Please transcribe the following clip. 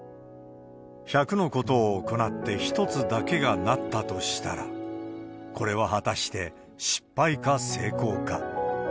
百の事を行って一つだけが成ったとしたら、これは果たして失敗か成功か。